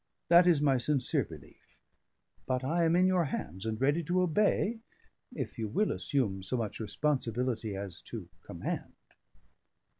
That is my sincere belief; but I am in your hands, and ready to obey, if you will assume so much responsibility as to command."